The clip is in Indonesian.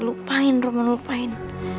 lupain roman lupain